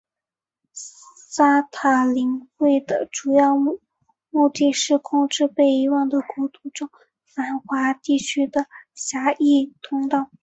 散塔林会的主要目的是控制被遗忘的国度中繁华地区的贸易通道。